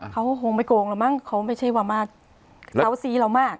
เขาคงไม่โกงแล้วมั้งเขาไม่ใช่ว่ามากเขาซี้เรามาก